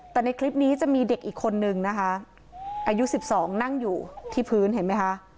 แต่ในคลิปนี้จะมีเด็กอีกคนนึงนะคะอายุ๑๒นั่งอยู่ที่พื้นเห็นไหมคะ